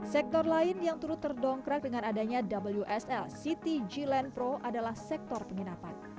sektor lain yang turut terdongkrak dengan adanya wsl adalah sektor penginapan